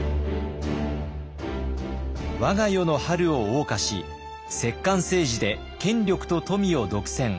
我が世の春をおう歌し摂関政治で権力と富を独占。